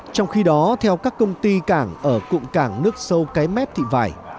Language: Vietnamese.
trong khi đó theo các công ty cảng ở cụm cảng nước sâu cái mép thị vải